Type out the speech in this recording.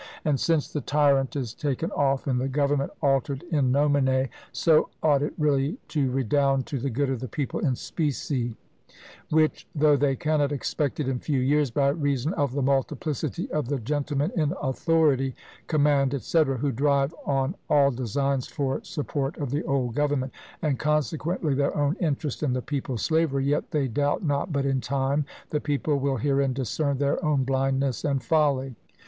And since the tyrant is taken off, and the government altered in nomine, so ought it really to redound to the good of the people in specie; which, though they cannot expect it in few years, by reason of the multiplicity of the gentlemen in authority, command, &c. who drive on all designs for support of the old government, and consequently their own interest and the people's slavery, yet they doubt not but in time the people will herein discern their own blindness and folly."